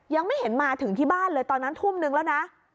ยังไม่เห็นมาถึงที่บ้านเลยตอนนั้นทุ่มนึงแล้วนะ